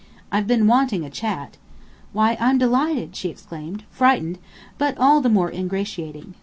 I've been wanting a chat " "Why, I'm delighted!" she exclaimed, frightened, but all the more ingratiating.